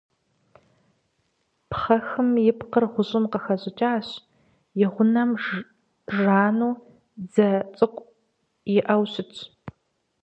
Пхъэхым и пкъыр гъущӏым къыхэщӏыкӏащ, и гъунэм жану дзэ цӏыкӏу иӏэу щытщ.